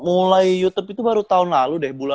mulai youtube itu baru tahun lalu deh